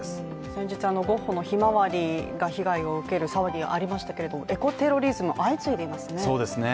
先日、ゴッホの「ひまわり」が被害を受ける騒ぎがありましたけどエコテロリズム、相次いでいますね。